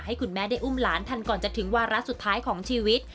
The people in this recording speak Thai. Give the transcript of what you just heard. ให้คุณแม่ได้อุ้มหลานทันก่อนจะถึงวาระสุดท้ายของชีวิต